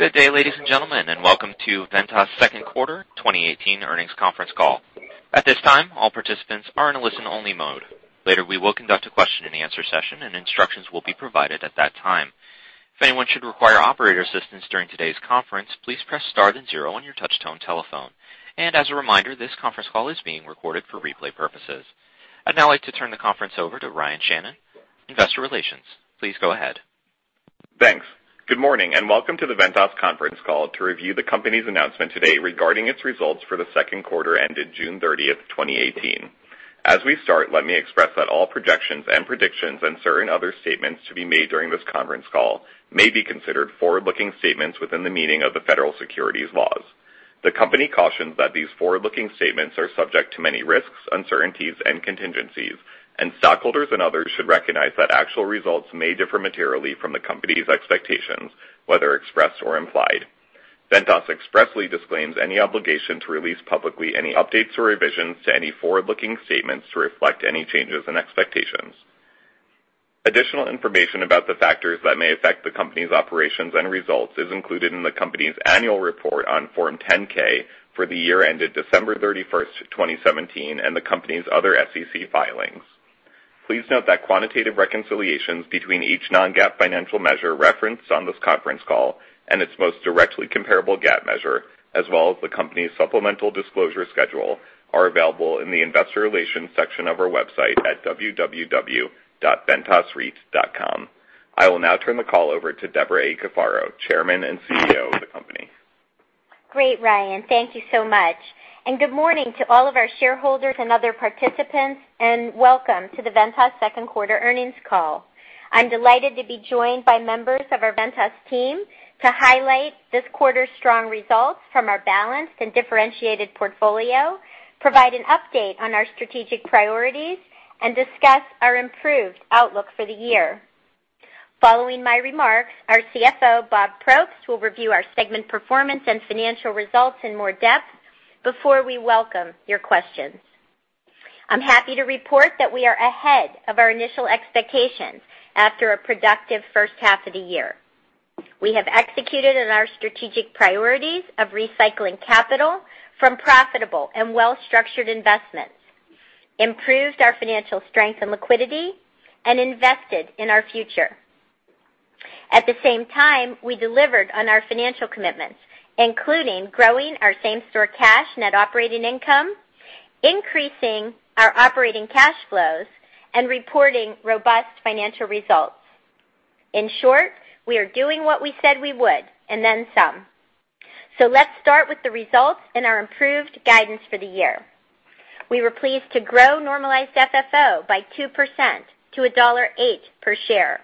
Good day, ladies and gentlemen, welcome to Ventas' second quarter 2018 earnings conference call. At this time, all participants are in a listen-only mode. Later, we will conduct a question-and-answer session, and instructions will be provided at that time. If anyone should require operator assistance during today's conference, please press star then zero on your touch-tone telephone. As a reminder, this conference call is being recorded for replay purposes. I'd now like to turn the conference over to Ryan Shannon, Investor Relations. Please go ahead. Thanks. Good morning, welcome to the Ventas conference call to review the company's announcement today regarding its results for the second quarter ended June 30th, 2018. As we start, let me express that all projections and predictions and certain other statements to be made during this conference call may be considered forward-looking statements within the meaning of the federal securities laws. The company cautions that these forward-looking statements are subject to many risks, uncertainties, and contingencies, stockholders and others should recognize that actual results may differ materially from the company's expectations, whether expressed or implied. Ventas expressly disclaims any obligation to release publicly any updates or revisions to any forward-looking statements to reflect any changes in expectations. Additional information about the factors that may affect the company's operations and results is included in the company's annual report on Form 10-K for the year ended December 31st, 2017, the company's other SEC filings. Please note that quantitative reconciliations between each non-GAAP financial measure referenced on this conference call and its most directly comparable GAAP measure, as well as the company's supplemental disclosure schedule, are available in the investor relations section of our website at ventasreit.com. I will now turn the call over to Debra A. Cafaro, Chairman and CEO of the company. Great, Ryan. Thank you so much. Good morning to all of our shareholders and other participants, welcome to the Ventas second quarter earnings call. I'm delighted to be joined by members of our Ventas team to highlight this quarter's strong results from our balanced and differentiated portfolio, provide an update on our strategic priorities, discuss our improved outlook for the year. Following my remarks, our CFO, Bob Probst, will review our segment performance and financial results in more depth before we welcome your questions. I'm happy to report that we are ahead of our initial expectations after a productive first half of the year. We have executed on our strategic priorities of recycling capital from profitable and well-structured investments, improved our financial strength and liquidity, invested in our future. At the same time, we delivered on our financial commitments, including growing our same-store cash net operating income, increasing our operating cash flows, and reporting robust financial results. In short, we are doing what we said we would and then some. Let's start with the results and our improved guidance for the year. We were pleased to grow normalized FFO by 2% to $1.08 per share.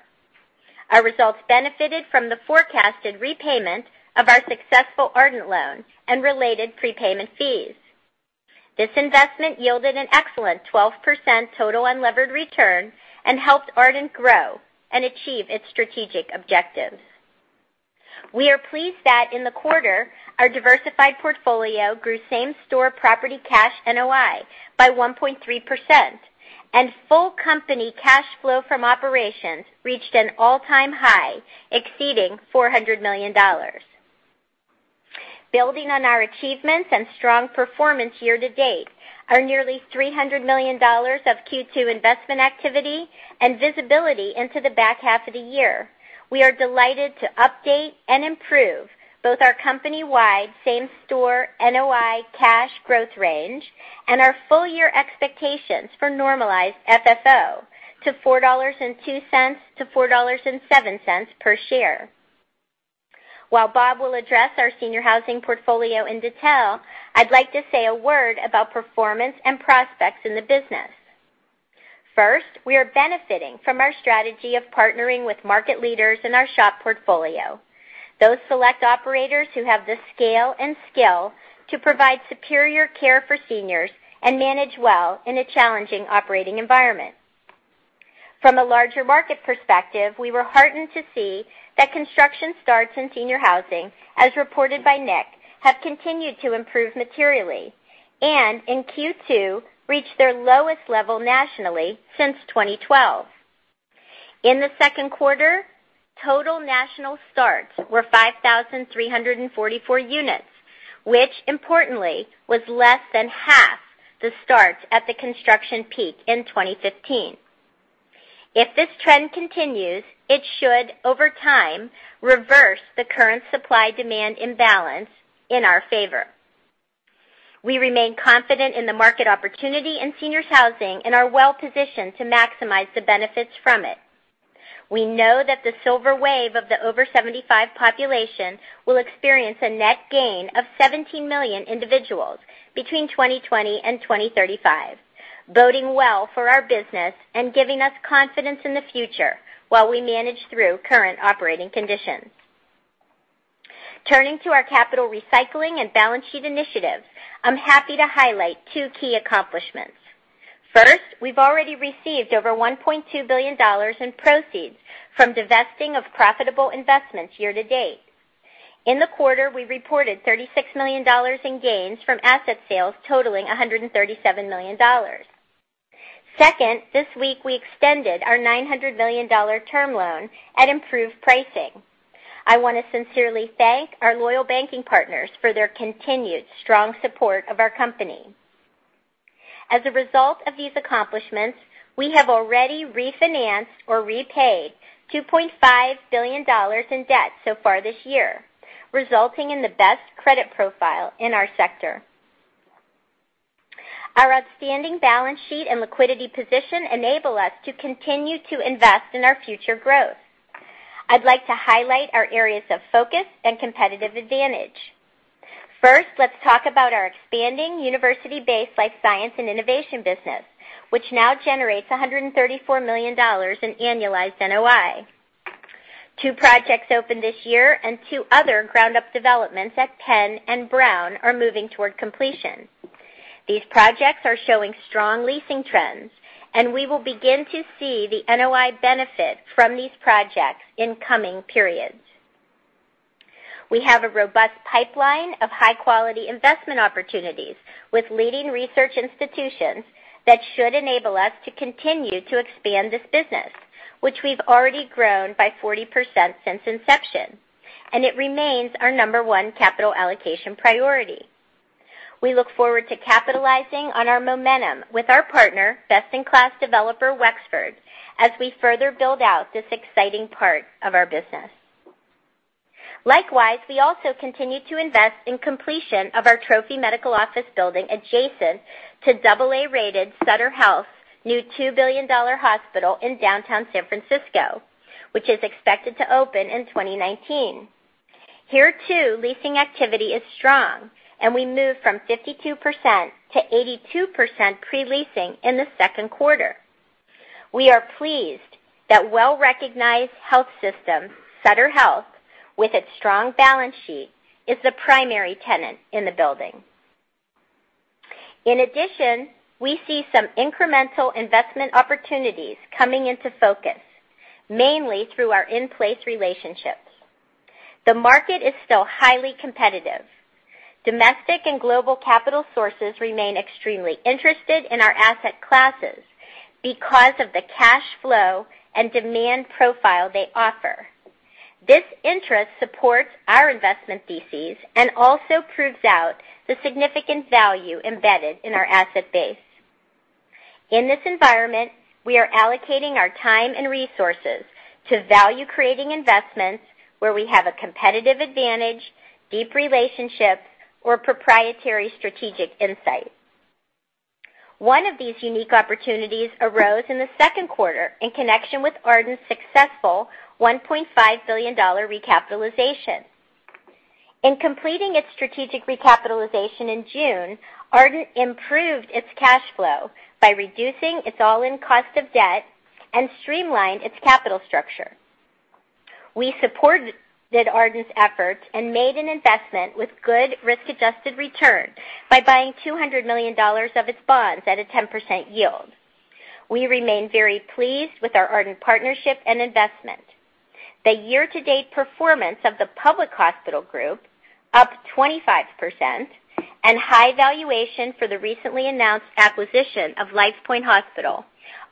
Our results benefited from the forecasted repayment of our successful Ardent loan and related prepayment fees. This investment yielded an excellent 12% total unlevered return and helped Ardent grow and achieve its strategic objectives. We are pleased that in the quarter, our diversified portfolio grew same-store property cash NOI by 1.3%, and full company cash flow from operations reached an all-time high, exceeding $400 million. Building on our achievements and strong performance year-to-date, our nearly $300 million of Q2 investment activity and visibility into the back half of the year, we are delighted to update and improve both our company-wide same-store NOI cash growth range and our full-year expectations for normalized FFO to $4.02-$4.07 per share. While Bob will address our senior housing portfolio in detail, I'd like to say a word about performance and prospects in the business. First, we are benefiting from our strategy of partnering with market leaders in our SHOP portfolio. Those select operators who have the scale and skill to provide superior care for seniors and manage well in a challenging operating environment. From a larger market perspective, we were heartened to see that construction starts in senior housing, as reported by NIC, have continued to improve materially and in Q2 reached their lowest level nationally since 2012. In the second quarter, total national starts were 5,344 units, which importantly was less than half the starts at the construction peak in 2015. If this trend continues, it should, over time, reverse the current supply-demand imbalance in our favor. We remain confident in the market opportunity in senior housing and are well-positioned to maximize the benefits from it. We know that the silver wave of the over-75 population will experience a net gain of 70 million individuals between 2020 and 2035, boding well for our business and giving us confidence in the future while we manage through current operating conditions. Turning to our capital recycling and balance sheet initiatives, I'm happy to highlight two key accomplishments. First, we've already received over $1.2 billion in proceeds from divesting of profitable investments year-to-date. In the quarter, we reported $36 million in gains from asset sales totaling $137 million. Second, this week we extended our $900 million term loan at improved pricing. I want to sincerely thank our loyal banking partners for their continued strong support of our company. As a result of these accomplishments, we have already refinanced or repaid $2.5 billion in debt so far this year, resulting in the best credit profile in our sector. Our outstanding balance sheet and liquidity position enable us to continue to invest in our future growth. I'd like to highlight our areas of focus and competitive advantage. First, let's talk about our expanding university-based life science and innovation business, which now generates $134 million in annualized NOI. Two projects opened this year and two other ground-up developments at Penn and Brown are moving toward completion. These projects are showing strong leasing trends, and we will begin to see the NOI benefit from these projects in coming periods. We have a robust pipeline of high-quality investment opportunities with leading research institutions that should enable us to continue to expand this business, which we've already grown by 40% since inception. It remains our number one capital allocation priority. We look forward to capitalizing on our momentum with our partner, best-in-class developer Wexford, as we further build out this exciting part of our business. We also continue to invest in completion of our trophy medical office building adjacent to AA-rated Sutter Health's new $2 billion hospital in downtown San Francisco, which is expected to open in 2019. Here, too, leasing activity is strong. We moved from 52% to 82% pre-leasing in the second quarter. We are pleased that well-recognized health system, Sutter Health, with its strong balance sheet, is the primary tenant in the building. In addition, we see some incremental investment opportunities coming into focus, mainly through our in-place relationships. The market is still highly competitive. Domestic and global capital sources remain extremely interested in our asset classes because of the cash flow and demand profile they offer. This interest supports our investment theses and also proves out the significant value embedded in our asset base. In this environment, we are allocating our time and resources to value-creating investments where we have a competitive advantage, deep relationships, or proprietary strategic insight. One of these unique opportunities arose in the second quarter in connection with Ardent's successful $1.5 billion recapitalization. In completing its strategic recapitalization in June, Ardent improved its cash flow by reducing its all-in cost of debt and streamlined its capital structure. We supported Ardent's efforts and made an investment with good risk-adjusted return by buying $200 million of its bonds at a 10% yield. We remain very pleased with our Ardent partnership and investment. The year-to-date performance of the public hospital group, up 25%, and high valuation for the recently announced acquisition of LifePoint Health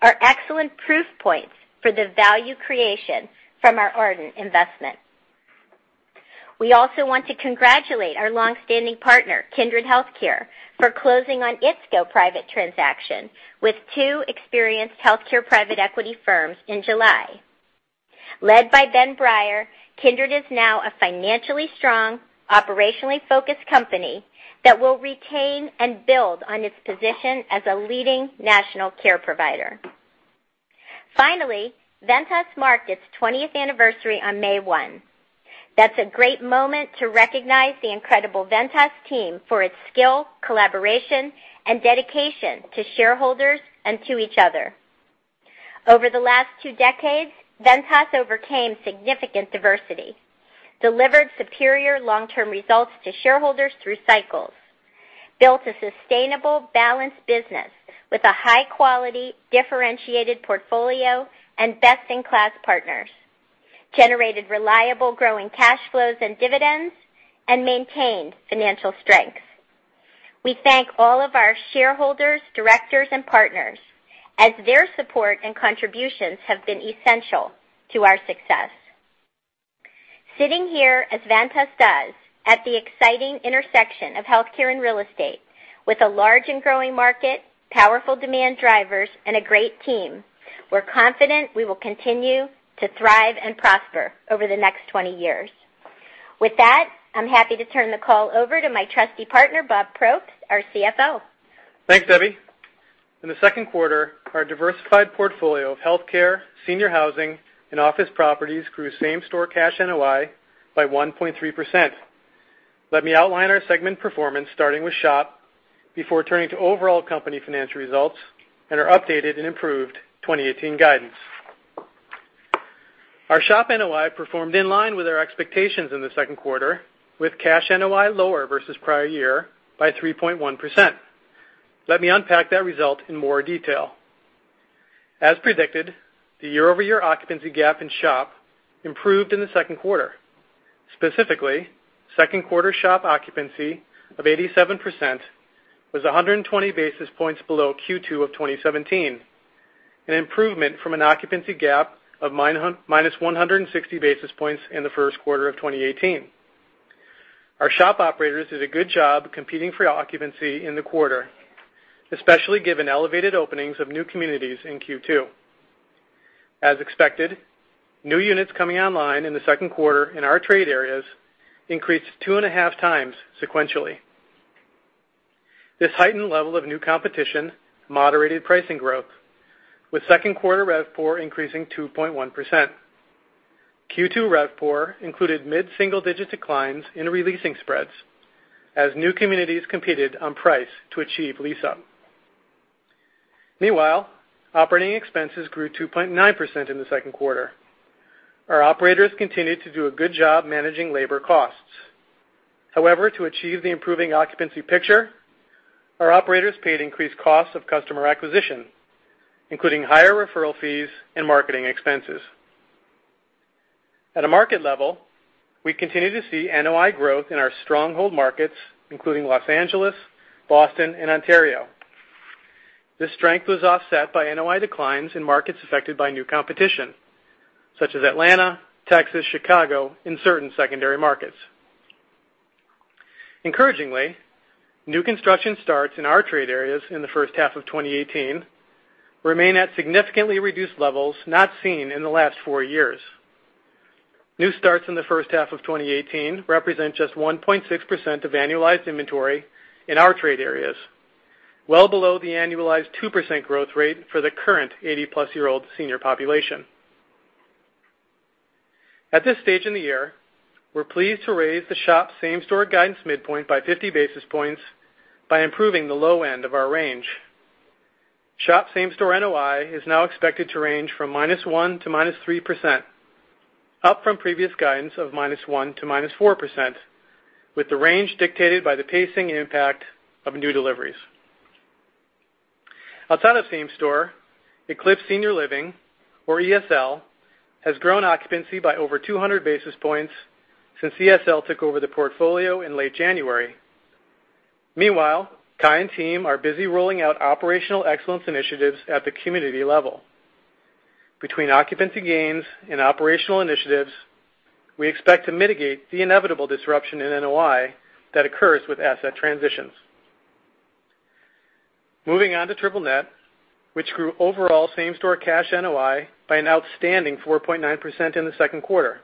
are excellent proof points for the value creation from our Ardent investment. We also want to congratulate our longstanding partner, Kindred Healthcare, for closing on its private transaction with two experienced healthcare private equity firms in July. Led by Ben Breier, Kindred is now a financially strong, operationally focused company that will retain and build on its position as a leading national care provider. Finally, Ventas marked its 20th anniversary on May 1. That's a great moment to recognize the incredible Ventas team for its skill, collaboration, and dedication to shareholders and to each other. Over the last two decades, Ventas overcame significant adversity, delivered superior long-term results to shareholders through cycles, built a sustainable, balanced business with a high-quality, differentiated portfolio and best-in-class partners, generated reliable, growing cash flows and dividends, and maintained financial strength. We thank all of our shareholders, directors, and partners, as their support and contributions have been essential to our success. Sitting here as Ventas does at the exciting intersection of healthcare and real estate with a large and growing market, powerful demand drivers, and a great team, we're confident we will continue to thrive and prosper over the next 20 years. With that, I'm happy to turn the call over to my trusty partner, Bob Probst, our CFO. Thanks, Debbie. In the second quarter, our diversified portfolio of healthcare, senior housing, and office properties grew same-store cash NOI by 1.3%. Let me outline our segment performance, starting with SHOP, before turning to overall company financial results and our updated and improved 2018 guidance. Our SHOP NOI performed in line with our expectations in the second quarter, with cash NOI lower versus prior year by 3.1%. Let me unpack that result in more detail. As predicted, the year-over-year occupancy gap in SHOP improved in the second quarter. Specifically, second quarter SHOP occupancy of 87% was 120 basis points below Q2 of 2017, an improvement from an occupancy gap of minus 160 basis points in the first quarter of 2018. Our SHOP operators did a good job competing for occupancy in the quarter, especially given elevated openings of new communities in Q2. As expected, new units coming online in the second quarter in our trade areas increased 2.5 times sequentially. This heightened level of new competition moderated pricing growth, with second quarter RevPOR increasing 2.1%. Q2 RevPOR included mid-single-digit declines in re-leasing spreads as new communities competed on price to achieve lease up. Meanwhile, operating expenses grew 2.9% in the second quarter. Our operators continued to do a good job managing labor costs. However, to achieve the improving occupancy picture, our operators paid increased costs of customer acquisition, including higher referral fees and marketing expenses. At a market level, we continue to see NOI growth in our stronghold markets, including L.A., Boston, and Ontario. This strength was offset by NOI declines in markets affected by new competition, such as Atlanta, Texas, Chicago, and certain secondary markets. Encouragingly, new construction starts in our trade areas in the first half of 2018 remain at significantly reduced levels not seen in the last four years. New starts in the first half of 2018 represent just 1.6% of annualized inventory in our trade areas, well below the annualized 2% growth rate for the current 80-plus-year-old senior population. At this stage in the year, we're pleased to raise the SHOP same-store guidance midpoint by 50 basis points by improving the low end of our range. SHOP same-store NOI is now expected to range from minus 1% to minus 3%, up from previous guidance of minus 1% to minus 4%, with the range dictated by the pacing impact of new deliveries. Outside of same store, Eclipse Senior Living, or ESL, has grown occupancy by over 200 basis points since ESL took over the portfolio in late January. Meanwhile, Kai and team are busy rolling out operational excellence initiatives at the community level. Between occupancy gains and operational initiatives, we expect to mitigate the inevitable disruption in NOI that occurs with asset transitions. Moving on to triple net, which grew overall same-store cash NOI by an outstanding 4.9% in the second quarter.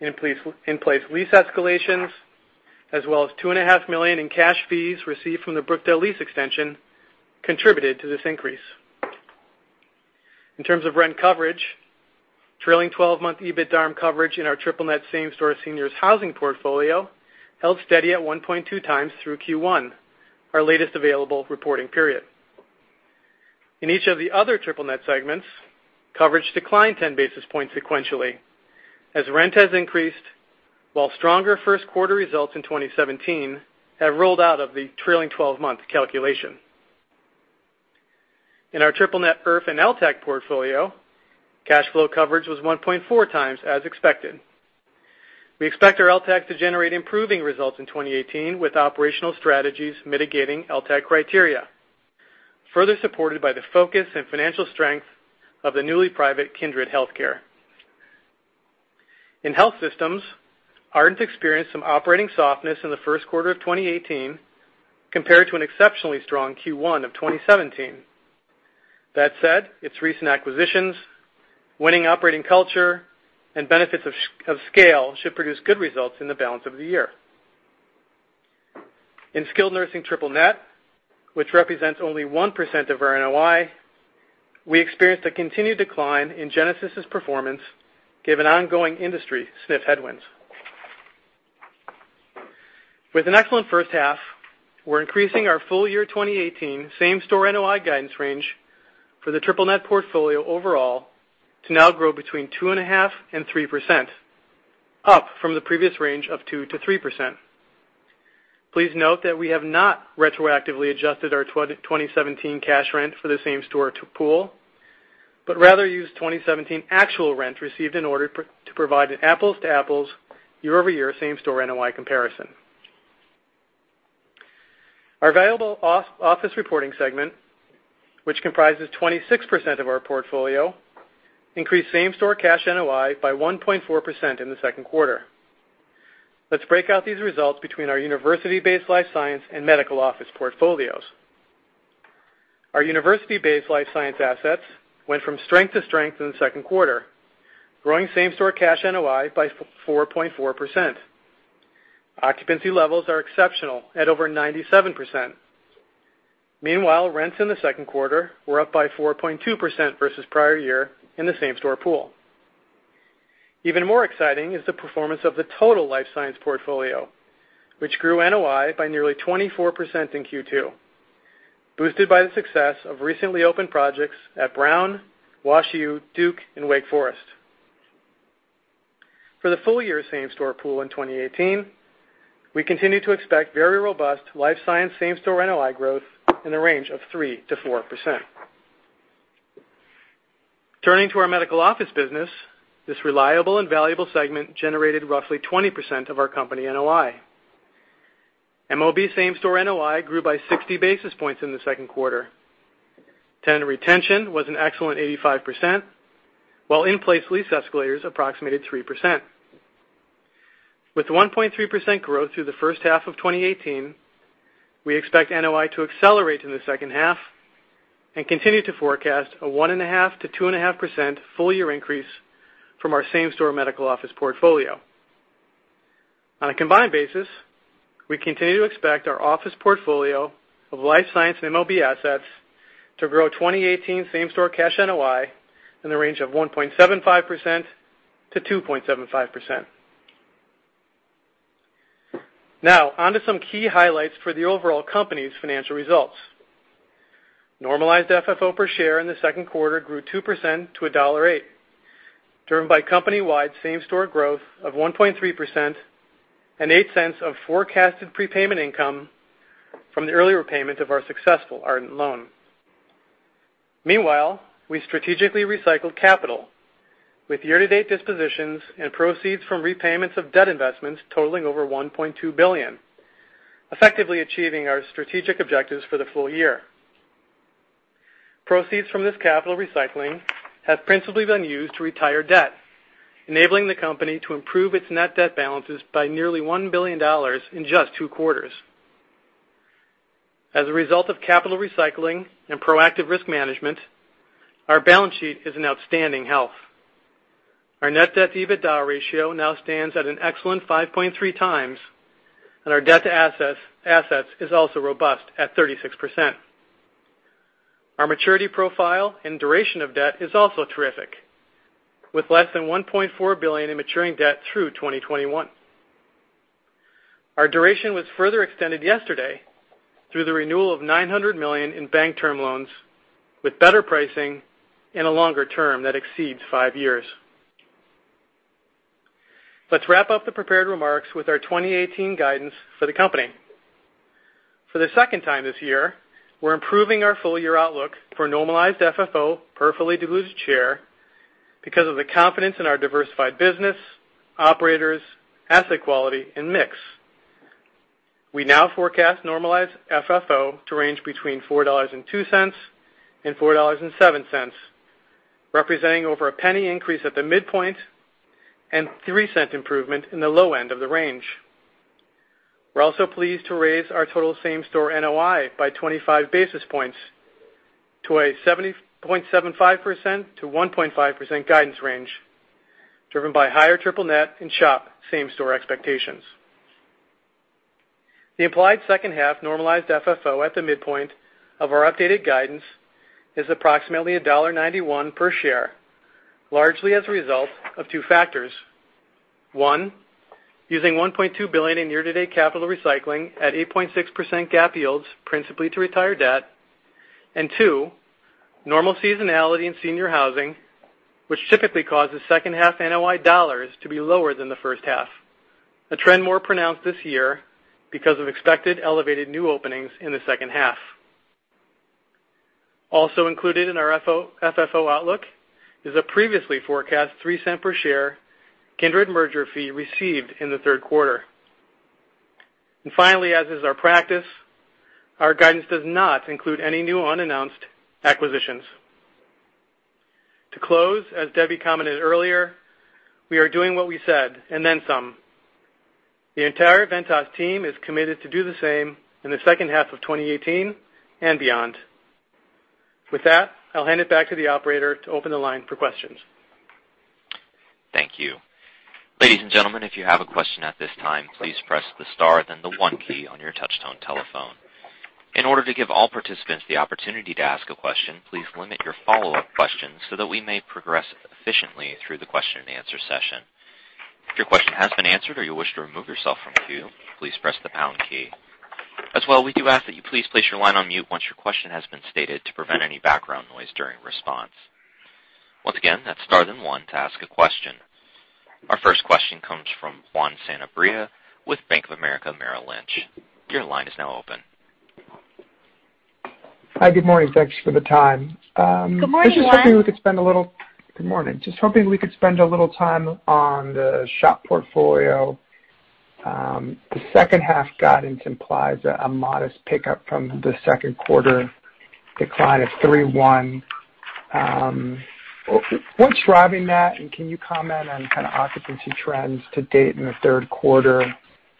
In place lease escalations, as well as $2.5 million in cash fees received from the Brookdale lease extension contributed to this increase. In terms of rent coverage, trailing 12-month EBITDARM coverage in our triple net same-store seniors housing portfolio held steady at 1.2 times through Q1, our latest available reporting period. In each of the other triple net segments, coverage declined 10 basis points sequentially, as rent has increased while stronger first quarter results in 2017 have rolled out of the trailing 12-month calculation. In our triple net IRF and LTAC portfolio, cash flow coverage was 1.4 times as expected. We expect our LTAC to generate improving results in 2018, with operational strategies mitigating LTAC criteria, further supported by the focus and financial strength of the newly private Kindred Healthcare. In health systems, Ardent experienced some operating softness in the first quarter of 2018 compared to an exceptionally strong Q1 of 2017. That said, its recent acquisitions, winning operating culture, and benefits of scale should produce good results in the balance of the year. In skilled nursing triple net, which represents only 1% of our NOI, we experienced a continued decline in Genesis's performance given ongoing industry SNF headwinds. With an excellent first half, we're increasing our full year 2018 same-store NOI guidance range for the triple net portfolio overall to now grow between 2.5% and 3%, up from the previous range of 2% to 3%. Please note that we have not retroactively adjusted our 2017 cash rent for the same-store pool, but rather used 2017 actual rent received in order to provide an apples to apples year-over-year same-store NOI comparison. Our available office reporting segment, which comprises 26% of our portfolio, increased same-store cash NOI by 1.4% in the second quarter. Let's break out these results between our university-based life science and medical office portfolios. Our university-based life science assets went from strength to strength in the second quarter, growing same-store cash NOI by 4.4%. Occupancy levels are exceptional at over 97%. Meanwhile, rents in the second quarter were up by 4.2% versus prior year in the same-store pool. Even more exciting is the performance of the total life science portfolio, which grew NOI by nearly 24% in Q2, boosted by the success of recently opened projects at Brown, WashU, Duke, and Wake Forest. For the full-year same-store pool in 2018, we continue to expect very robust life science same-store NOI growth in the range of 3% to 4%. Turning to our medical office business, this reliable and valuable segment generated roughly 20% of our company NOI. MOB same-store NOI grew by 60 basis points in the second quarter. Tenant retention was an excellent 85%, while in-place lease escalators approximated 3%. With 1.3% growth through the first half of 2018, we expect NOI to accelerate in the second half and continue to forecast a 1.5% to 2.5% full-year increase from our same-store medical office portfolio. On a combined basis, we continue to expect our office portfolio of life science and MOB assets to grow 2018 same-store cash NOI in the range of 1.75% to 2.75%. Now, on to some key highlights for the overall company's financial results. Normalized FFO per share in the second quarter grew 2% to $1.08, driven by company-wide same-store growth of 1.3% and $0.08 of forecasted prepayment income from the early repayment of our successful Ardent loan. Meanwhile, we strategically recycled capital with year-to-date dispositions and proceeds from repayments of debt investments totaling over $1.2 billion, effectively achieving our strategic objectives for the full year. Proceeds from this capital recycling have principally been used to retire debt, enabling the company to improve its net debt balances by nearly $1 billion in just two quarters. As a result of capital recycling and proactive risk management, our balance sheet is in outstanding health. Our net debt-to-EBITDA ratio now stands at an excellent 5.3 times, and our debt to assets is also robust at 36%. Our maturity profile and duration of debt is also terrific, with less than $1.4 billion in maturing debt through 2021. Our duration was further extended yesterday through the renewal of $900 million in bank term loans with better pricing and a longer term that exceeds five years. Let's wrap up the prepared remarks with our 2018 guidance for the company. For the second time this year, we're improving our full-year outlook for normalized FFO per fully diluted share because of the confidence in our diversified business, operators, asset quality, and mix. We now forecast normalized FFO to range between $4.02 and $4.07, representing over a $0.01 increase at the midpoint and a $0.03 improvement in the low end of the range. We're also pleased to raise our total same-store NOI by 25 basis points to a 0.75%-1.5% guidance range, driven by higher triple net and SHOP same-store expectations. The implied second half normalized FFO at the midpoint of our updated guidance is approximately $1.91 per share, largely as a result of two factors. One, using $1.2 billion in year-to-date capital recycling at 8.6% GAAP yields principally to retire debt. Two, normal seasonality in senior housing, which typically causes second-half NOI dollars to be lower than the first half, a trend more pronounced this year because of expected elevated new openings in the second half. Also included in our FFO outlook is a previously forecast $0.03 per share Kindred merger fee received in the third quarter. Finally, as is our practice, our guidance does not include any new unannounced acquisitions. To close, as Debbie commented earlier, we are doing what we said, and then some. The entire Ventas team is committed to do the same in the second half of 2018 and beyond. With that, I'll hand it back to the operator to open the line for questions. Thank you. Ladies and gentlemen, if you have a question at this time, please press the star then the one key on your touch-tone telephone. In order to give all participants the opportunity to ask a question, please limit your follow-up questions so that we may progress efficiently through the question-and-answer session. If your question has been answered or you wish to remove yourself from the queue, please press the pound key. As well, we do ask that you please place your line on mute once your question has been stated to prevent any background noise during response. Once again, that's star then one to ask a question. Our first question comes from Juan Sanabria with Bank of America Merrill Lynch. Your line is now open. Hi. Good morning. Thanks for the time. Good morning, Juan. Good morning. Hoping we could spend a little time on the SHOP portfolio. The second half guidance implies a modest pickup from the second quarter decline of 3.1%. What's driving that? Can you comment on kind of occupancy trends to date in the third quarter?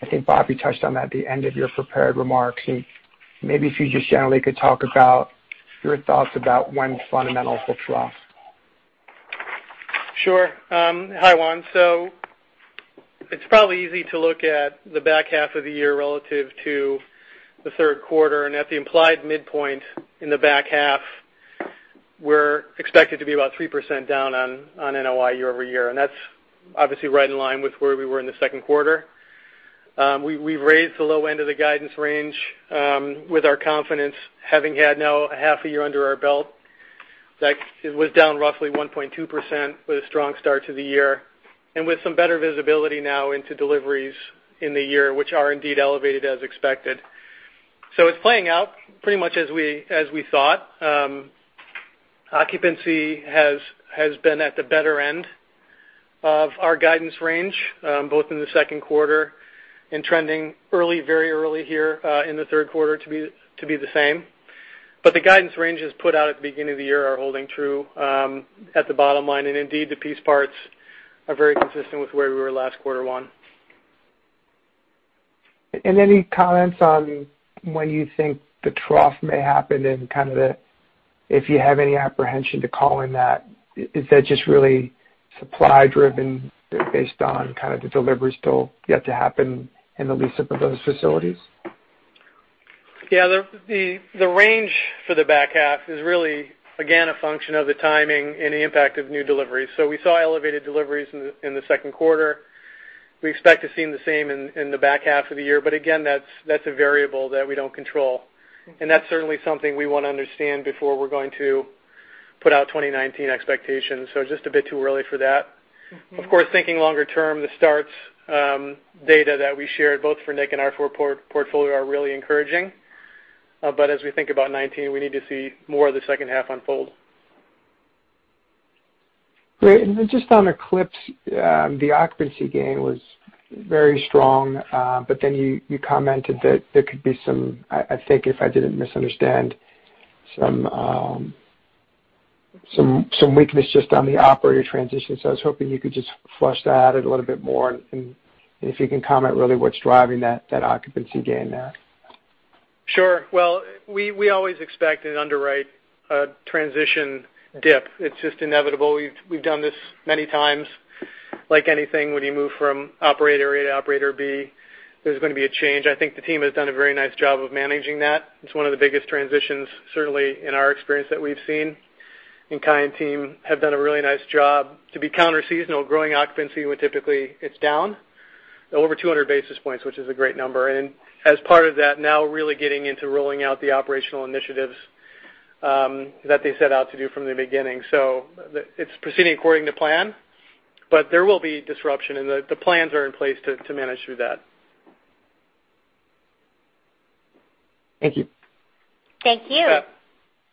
I think Bobby touched on that at the end of your prepared remarks. Maybe if you just generally could talk about your thoughts about when fundamentals will trough. Sure. Hi, Juan. It's probably easy to look at the back half of the year relative to the third quarter. At the implied midpoint in the back half, we're expected to be about 3% down on NOI year-over-year. That's obviously right in line with where we were in the second quarter. We've raised the low end of the guidance range with our confidence, having had now a half a year under our belt. It was down roughly 1.2% with a strong start to the year, and with some better visibility now into deliveries in the year, which are indeed elevated as expected. It's playing out pretty much as we thought. Occupancy has been at the better end of our guidance range, both in the second quarter and trending very early here in the third quarter to be the same. The guidance ranges put out at the beginning of the year are holding true at the bottom line. Indeed, the piece parts are very consistent with where we were last quarter one. Any comments on when you think the trough may happen and if you have any apprehension to call in that, is that just really supply driven based on the deliveries still yet to happen in the lease-up of those facilities? Yeah. The range for the back half is really, again, a function of the timing and the impact of new deliveries. We saw elevated deliveries in the second quarter. We expect to see the same in the back half of the year, but again, that's a variable that we don't control. That's certainly something we want to understand before we're going to put out 2019 expectations. Just a bit too early for that. Of course, thinking longer term, the starts data that we shared both for NIC and our portfolio are really encouraging. As we think about 2019, we need to see more of the second half unfold. Great. Just on Eclipse, the occupancy gain was very strong. You commented that there could be some, I think if I didn't misunderstand, some weakness just on the operator transition. I was hoping you could just flush that out a little bit more and if you can comment really what's driving that occupancy gain there. Sure. Well, we always expect and underwrite a transition dip. It's just inevitable. We've done this many times. Like anything, when you move from operator A to operator B, there's going to be a change. I think the team has done a very nice job of managing that. It's one of the biggest transitions, certainly in our experience, that we've seen. Kai and team have done a really nice job to be counter seasonal, growing occupancy when typically it's down, over 200 basis points, which is a great number. As part of that, now really getting into rolling out the operational initiatives that they set out to do from the beginning. It's proceeding according to plan, but there will be disruption and the plans are in place to manage through that. Thank you. Thank you.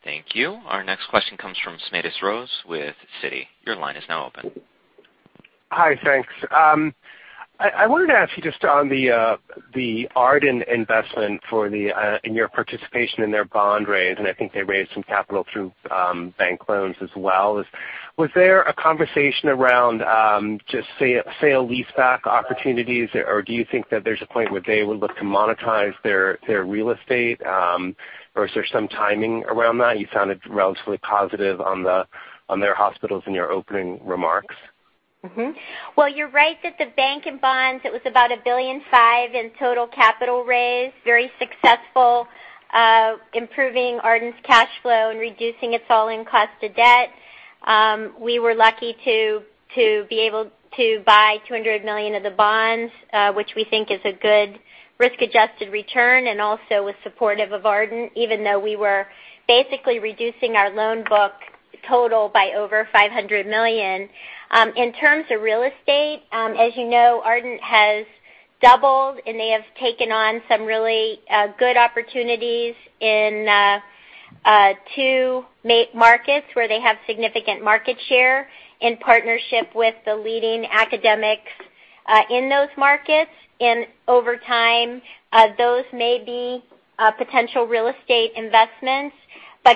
Thank you. Our next question comes from Smedes Rose with Citi. Your line is now open. Hi, thanks. I wanted to ask you just on the Ardent investment in your participation in their bond raise, and I think they raised some capital through bank loans as well. Was there a conversation around just sale leaseback opportunities? Do you think that there's a point where they would look to monetize their real estate? Is there some timing around that? You sounded relatively positive on their hospitals in your opening remarks. Well, you're right that the bank and bonds, it was about a $1.5 billion in total capital raise, very successful, improving Ardent's cash flow and reducing its all-in cost to debt. We were lucky to be able to buy $200 million of the bonds, which we think is a good risk-adjusted return, and also was supportive of Ardent, even though we were basically reducing our loan book total by over $500 million. In terms of real estate, as you know, Ardent has doubled, and they have taken on some really good opportunities in two markets where they have significant market share in partnership with the leading academics in those markets. Over time, those may be potential real estate investments.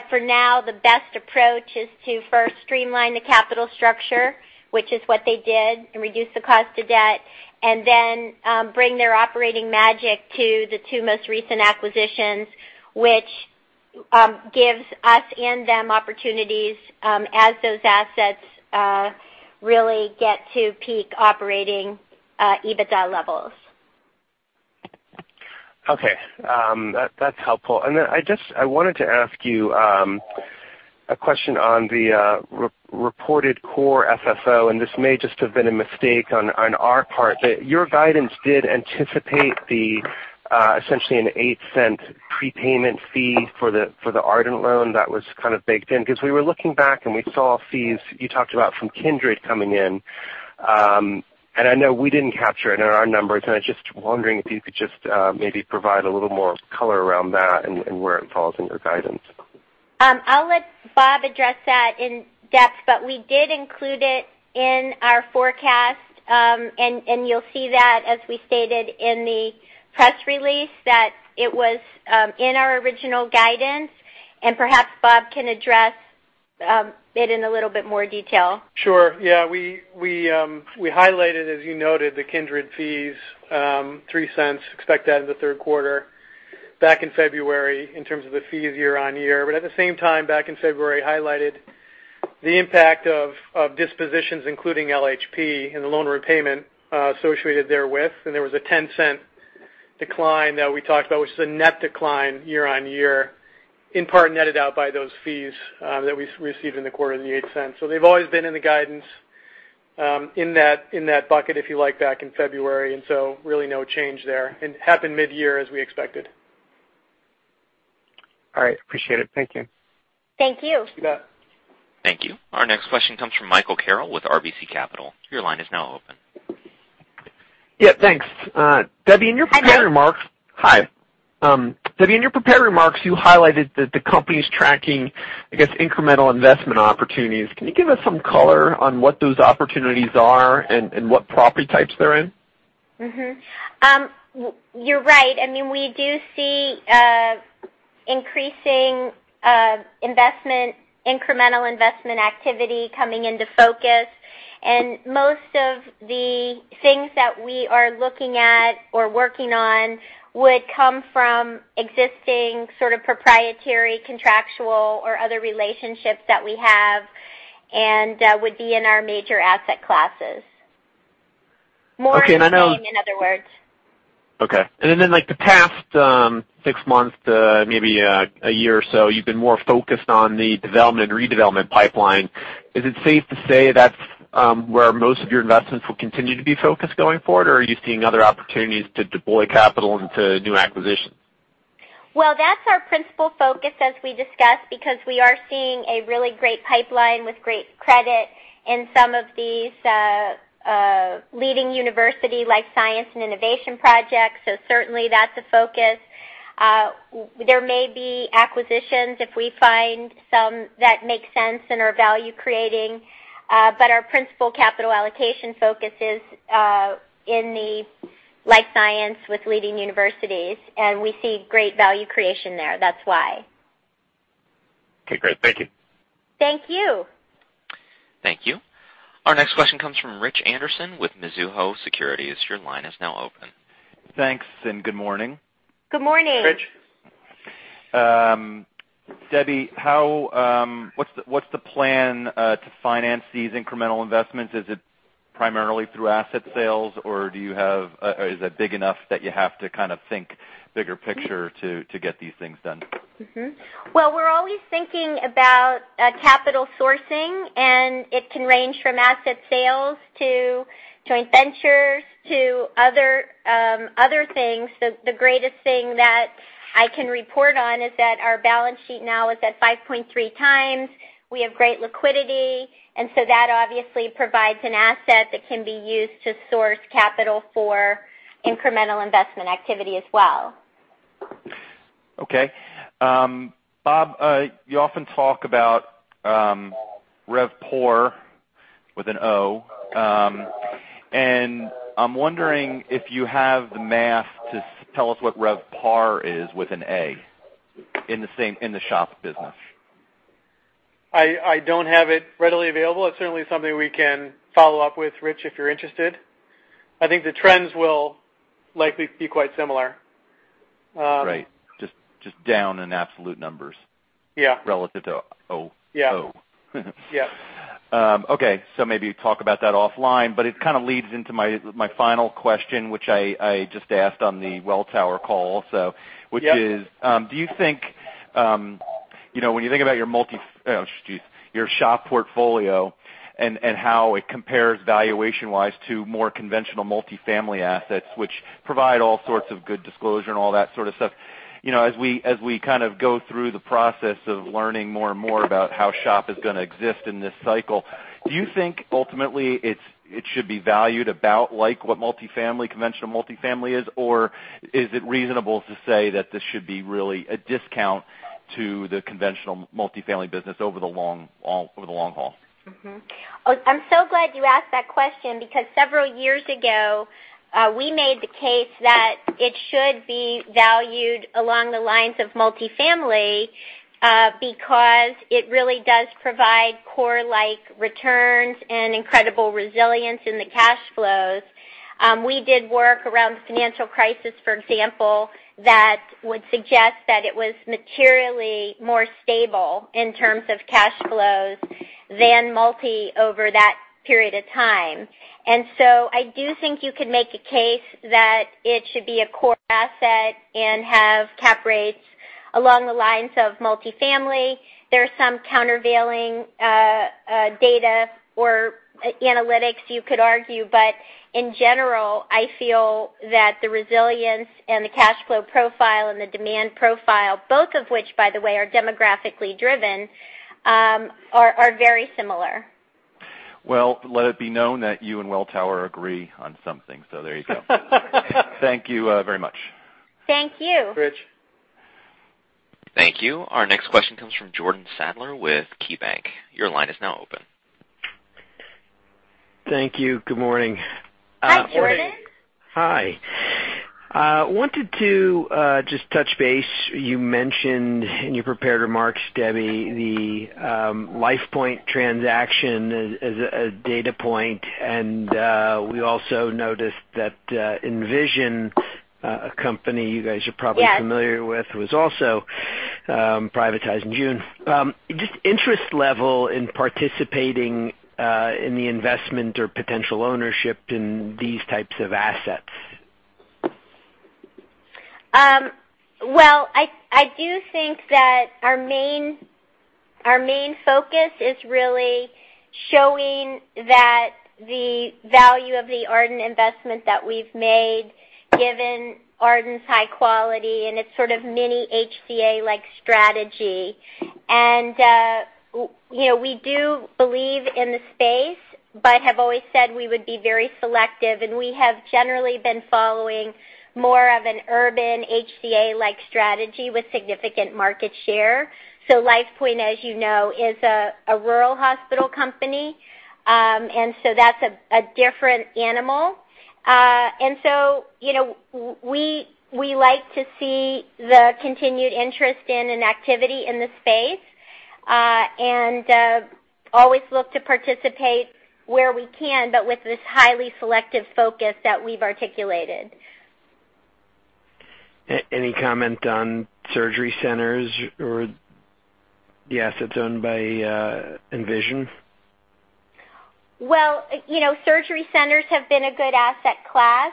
For now, the best approach is to first streamline the capital structure, which is what they did, and reduce the cost to debt, and then bring their operating magic to the two most recent acquisitions, which gives us and them opportunities as those assets really get to peak operating EBITDA levels. Okay. That's helpful. I wanted to ask you a question on the reported core FFO, and this may just have been a mistake on our part, but your guidance did anticipate essentially a $0.08 prepayment fee for the Ardent loan that was kind of baked in. We were looking back and we saw fees you talked about from Kindred coming in. I know we didn't capture it in our numbers, and I was just wondering if you could just maybe provide a little more color around that and where it falls in your guidance. I'll let Bob address that in depth, but we did include it in our forecast. You'll see that as we stated in the press release that it was in our original guidance. Perhaps Bob can address it in a little bit more detail. Sure. Yeah. We highlighted, as you noted, the Kindred fees, $0.03, expect that in the third quarter back in February in terms of the fees year-over-year. At the same time, back in February, highlighted the impact of dispositions, including LHP and the loan repayment associated therewith. There was a $0.10 decline that we talked about, which is a net decline year-over-year, in part netted out by those fees that we received in the quarter in the $0.08. They've always been in the guidance in that bucket, if you like, back in February, and so really no change there, and happened mid-year as we expected. All right. Appreciate it. Thank you. Thank you. You bet. Thank you. Our next question comes from Michael Carroll with RBC Capital. Your line is now open. Yeah, thanks. Debbie. Hi, Brian. prepared remarks. Hi. Debbie, in your prepared remarks, you highlighted that the company's tracking, I guess, incremental investment opportunities. Can you give us some color on what those opportunities are and what property types they're in? You're right. We do see increasing incremental investment activity coming into focus. Most of the things that we are looking at or working on would come from existing sort of proprietary, contractual or other relationships that we have and would be in our major asset classes. Okay. More staying, in other words. Okay. The past six months to maybe one year or so, you've been more focused on the development, redevelopment pipeline. Is it safe to say that's where most of your investments will continue to be focused going forward, or are you seeing other opportunities to deploy capital into new acquisitions? Well, that's our principal focus, as we discussed, because we are seeing a really great pipeline with great credit in some of these leading university life science and innovation projects. Certainly, that's a focus. There may be acquisitions if we find some that make sense and are value-creating. Our principal capital allocation focus is in the life science with leading universities, and we see great value creation there, that's why. Okay, great. Thank you. Thank you. Thank you. Our next question comes from Rich Anderson with Mizuho Securities. Your line is now open. Thanks. Good morning. Good morning. Rich. Debbie, what's the plan to finance these incremental investments? Is it primarily through asset sales, or is it big enough that you have to kind of think bigger picture to get these things done? Mm-hmm. Well, we're always thinking about capital sourcing, and it can range from asset sales to joint ventures to other things. The greatest thing that I can report on is that our balance sheet now is at 5.3 times. We have great liquidity, and so that obviously provides an asset that can be used to source capital for incremental investment activity as well. Okay. Bob, you often talk about RevPOR, with an O, and I'm wondering if you have the math to tell us what RevPAR is, with an A, in the SHOP business. I don't have it readily available. It's certainly something we can follow up with, Rich, if you're interested. I think the trends will likely be quite similar. Right. Just down in absolute numbers. Yeah relative to O- Yeah O. Yeah. Okay. Maybe talk about that offline. It kind of leads into my final question, which I just asked on the Welltower call. Yeah which is, when you think about your SHOP portfolio and how it compares valuation-wise to more conventional multifamily assets, which provide all sorts of good disclosure and all that sort of stuff. As we kind of go through the process of learning more and more about how SHOP is gonna exist in this cycle, do you think ultimately it should be valued about like what conventional multifamily is, or is it reasonable to say that this should be really a discount to the conventional multifamily business over the long haul? Mm-hmm. I'm so glad you asked that question because several years ago, we made the case that it should be valued along the lines of multifamily, because it really does provide core-like returns and incredible resilience in the cash flows. We did work around the financial crisis, for example, that would suggest that it was materially more stable in terms of cash flows than multi over that period of time. I do think you could make a case that it should be a core asset and have cap rates along the lines of multifamily. There are some countervailing data or analytics you could argue. In general, I feel that the resilience and the cash flow profile and the demand profile, both of which, by the way, are demographically driven, are very similar. Let it be known that you and Welltower agree on some things. There you go. Thank you very much. Thank you. Rich. Thank you. Our next question comes from Jordan Sadler with KeyBank. Your line is now open. Thank you. Good morning. Hi, Jordan. Hi. Wanted to just touch base, you mentioned in your prepared remarks, Debbie, the LifePoint transaction as a data point. We also noticed that Envision, a company you guys are probably Yes Familiar with, was also privatized in June. Just interest level in participating in the investment or potential ownership in these types of assets. Well, I do think that our main focus is really showing that the value of the Ardent investment that we've made, given Ardent's high quality and its sort of mini HCA-like strategy. We do believe in the space, but have always said we would be very selective, and we have generally been following more of an urban HCA-like strategy with significant market share. LifePoint, as you know, is a rural hospital company. That's a different animal. We like to see the continued interest in and activity in the space, and always look to participate where we can, but with this highly selective focus that we've articulated. Any comment on surgery centers or the assets owned by Envision? Well, surgery centers have been a good asset class.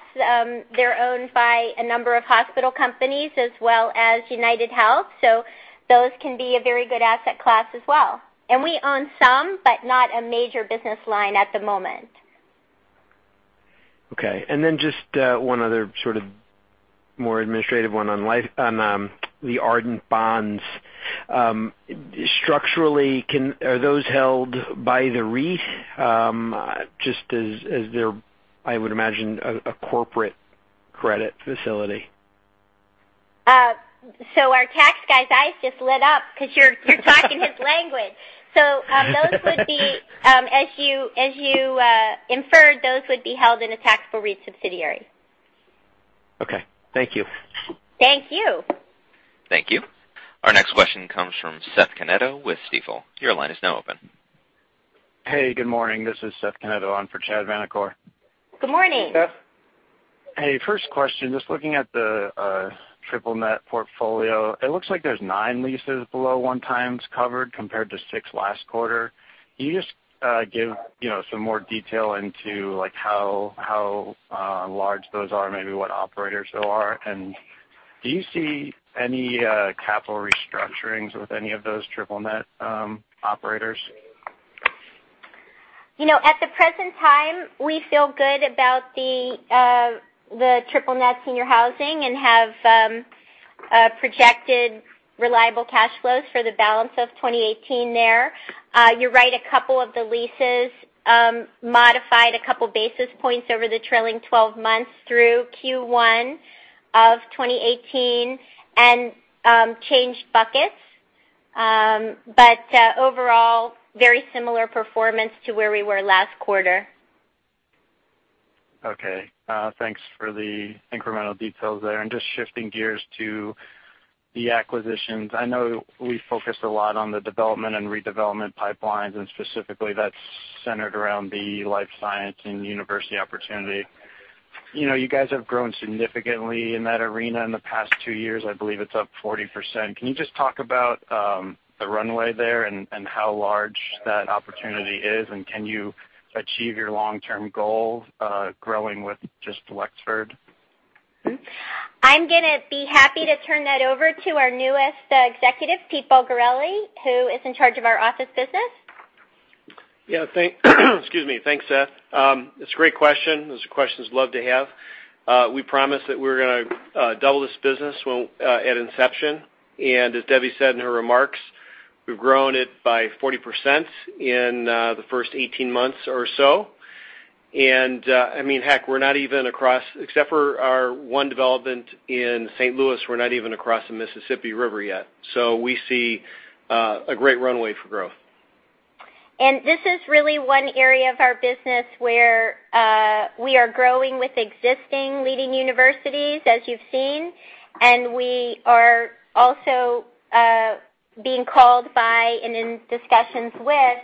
They're owned by a number of hospital companies as well as UnitedHealth, those can be a very good asset class as well. We own some, but not a major business line at the moment. Okay. Just one other sort of more administrative one on the Ardent bonds. Structurally, are those held by the REIT? Just as they're, I would imagine, a corporate credit facility. Our tax guy's eyes just lit up because you're talking his language. Those would be, as you inferred, those would be held in a taxable REIT subsidiary. Okay. Thank you. Thank you. Thank you. Our next question comes from Stephen Cenedella with Stifel. Your line is now open. Hey, good morning. This is Stephen Cenedella on for Chad Vanacore. Good morning. Hey, Seth. Hey. First question, just looking at the triple net portfolio, it looks like there's nine leases below one times covered compared to six last quarter. Can you just give some more detail into how large those are, maybe what operators they are, and do you see any capital restructurings with any of those triple net operators? At the present time, we feel good about the triple net senior housing and have projected reliable cash flows for the balance of 2018 there. You're right, a couple of the leases modified a couple basis points over the trailing 12 months through Q1 of 2018 and changed buckets. Overall, very similar performance to where we were last quarter. Okay. Thanks for the incremental details there. Just shifting gears to the acquisitions, I know we focused a lot on the development and redevelopment pipelines, and specifically that's centered around the life science and university opportunity. You guys have grown significantly in that arena in the past two years. I believe it's up 40%. Can you just talk about the runway there and how large that opportunity is, and can you achieve your long-term goal growing with just Wexford? I'm going to be happy to turn that over to our newest executive, Pete Bulgarelli, who is in charge of our office business. Yeah. Excuse me. Thanks, Stephen. It's a great question. Those are questions I'd love to have. We promised that we were going to double this business at inception. As Debbie said in her remarks, we've grown it by 40% in the first 18 months or so. Heck, we're not even across, except for our one development in St. Louis, we're not even across the Mississippi River yet. We see a great runway for growth. This is really one area of our business where we are growing with existing leading universities, as you've seen. We are also being called by and in discussions with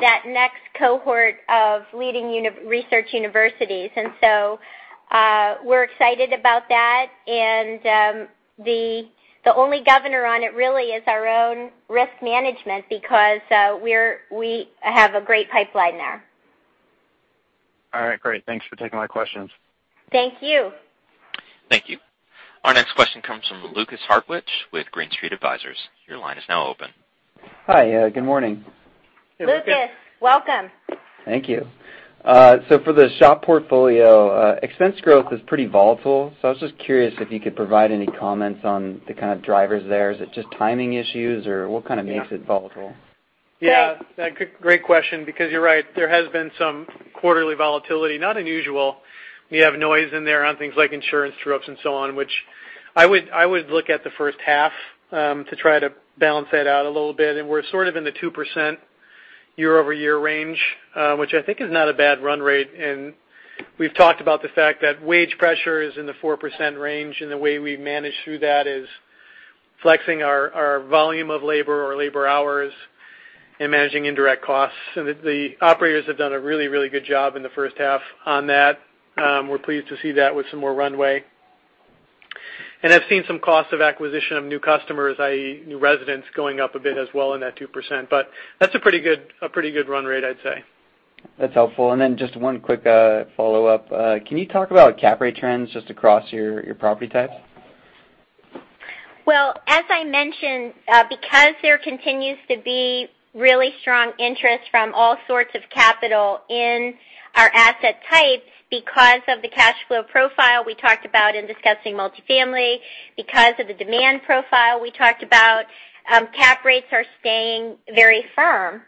that next cohort of leading research universities. We're excited about that. The only governor on it really is our own risk management because we have a great pipeline there. All right. Great. Thanks for taking my questions. Thank you. Thank you. Our next question comes from Lukas Hartwich with Green Street Advisors. Your line is now open. Hi. Good morning. Lukas, welcome. Thank you. For the SHOP portfolio, expense growth is pretty volatile. I was just curious if you could provide any comments on the kind of drivers there. Is it just timing issues, or what kind of makes it volatile? Yeah. Great question, because you're right, there has been some quarterly volatility. Not unusual. We have noise in there on things like insurance true-ups and so on, which I would look at the first half to try to balance that out a little bit, and we're sort of in the 2% year-over-year range, which I think is not a bad run rate. We've talked about the fact that wage pressure is in the 4% range, and the way we manage through that is flexing our volume of labor or labor hours and managing indirect costs. The operators have done a really, really good job in the first half on that. We're pleased to see that with some more runway. I've seen some cost of acquisition of new customers, i.e., new residents, going up a bit as well in that 2%. That's a pretty good run rate, I'd say. That's helpful. Then just one quick follow-up. Can you talk about cap rate trends just across your property types? Well, as I mentioned, because there continues to be really strong interest from all sorts of capital in our asset types because of the cash flow profile we talked about in discussing multifamily, because of the demand profile we talked about, cap rates are staying very firm.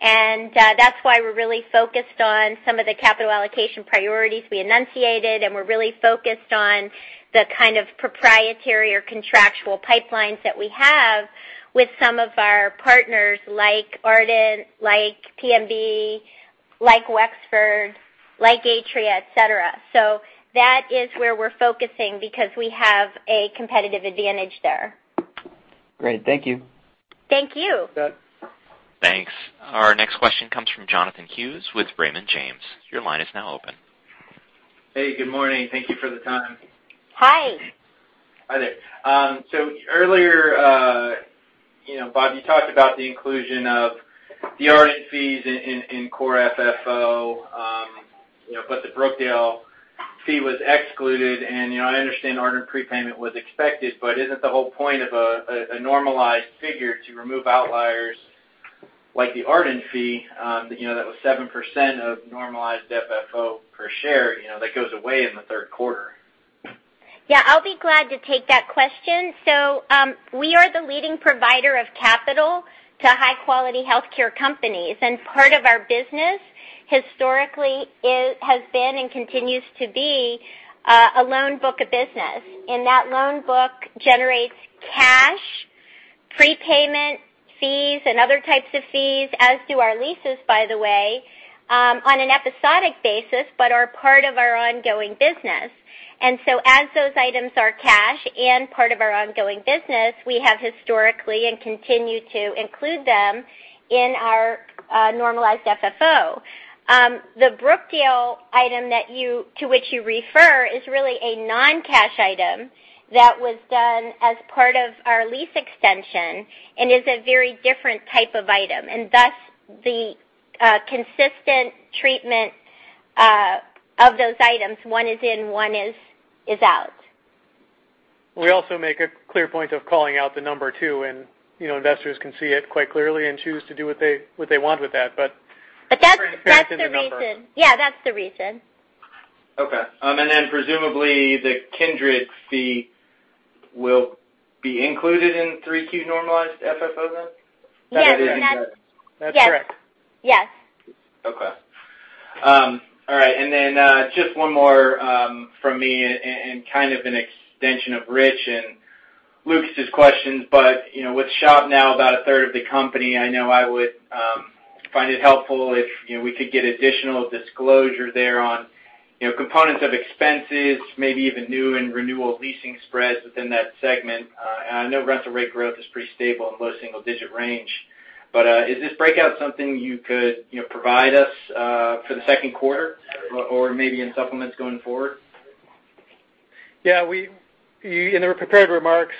That's why we're really focused on some of the capital allocation priorities we enunciated, we're really focused on the kind of proprietary or contractual pipelines that we have with some of our partners, like Ardent, like PMB, like Wexford, like Atria, et cetera. That is where we're focusing because we have a competitive advantage there. Great. Thank you. Thank you. Good. Thanks. Our next question comes from Jonathan Hughes with Raymond James. Your line is now open. Hey, good morning. Thank you for the time. Hi. Hi there. Earlier, Bob, you talked about the inclusion of the Ardent fees in core FFO. The Brookdale fee was excluded, and I understand Ardent prepayment was expected, but isn't the whole point of a normalized figure to remove outliers like the Ardent fee, that was 7% of normalized FFO per share, that goes away in the third quarter? Yeah, I'll be glad to take that question. We are the leading provider of capital to high-quality healthcare companies. Part of our business historically has been and continues to be a loan book of business, and that loan book generates cash, prepayment fees, and other types of fees, as do our leases, by the way, on an episodic basis, but are part of our ongoing business. As those items are cash and part of our ongoing business, we have historically and continue to include them in our normalized FFO. The Brookdale item to which you refer is really a non-cash item that was done as part of our lease extension and is a very different type of item, and thus the consistent treatment of those items, one is in, one is out. We also make a clear point of calling out the number, too, and investors can see it quite clearly and choose to do what they want with that. That's the reason transparent in the number. Yeah, that's the reason. Okay. Then presumably the Kindred fee will be included in 3Q normalized FFO then? Yes. That's correct. Yes. Okay. All right, just one more from me and kind of an extension of Rich Anderson and Lukas Hartwich's questions, with SHOP now about a third of the company, I know I would find it helpful if we could get additional disclosure there on components of expenses, maybe even new and renewal leasing spreads within that segment. I know rental rate growth is pretty stable in low single-digit range. Is this breakout something you could provide us for the second quarter or maybe in supplements going forward? Yeah. In the prepared remarks,